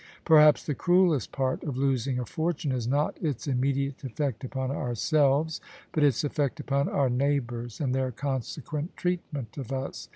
Perhaps the cruellest part of losing a fortime is not its immediate effect upon ourselves, but its effect upon our neighbours and their consequent treatment of us.